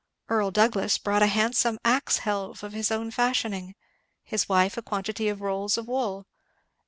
Earl Douglass brought a handsome axe helve of his own fashioning; his wife a quantity of rolls of wool.